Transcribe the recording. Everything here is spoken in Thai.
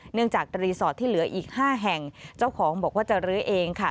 จากรีสอร์ทที่เหลืออีก๕แห่งเจ้าของบอกว่าจะลื้อเองค่ะ